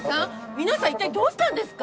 皆さん一体どうしたんですか？